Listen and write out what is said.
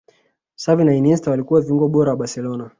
Xavi na Iniesta walikuwa viungo wa barcelona